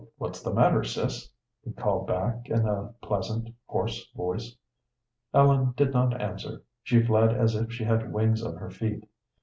what's the matter, sis?" he called back, in a pleasant, hoarse voice. Ellen did not answer; she fled as if she had wings on her feet.